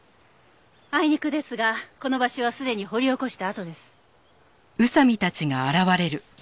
あいにくですがこの場所はすでに掘り起こしたあとです。